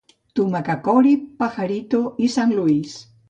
Aquestes serralades són les de Santa Rita, Tumacacori, Pajarito i San Luis.